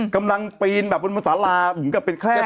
กำลังปีนแบบบนสาราเป็นแคล่